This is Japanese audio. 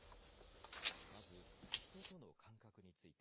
まず、人との間隔について。